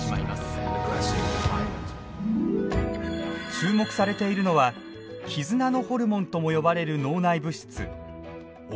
注目されているのは絆のホルモンとも呼ばれる脳内物質オキシトシンです。